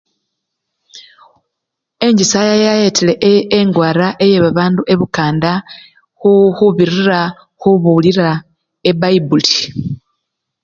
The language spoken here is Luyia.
Enchisaya yayetile e! engwara yebabandu ebukanda khu! khubirira mukhwilwacha epipiliya.